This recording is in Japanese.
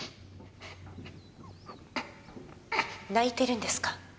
泣いてるんですか？